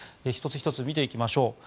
１つ１つ見ていきましょう。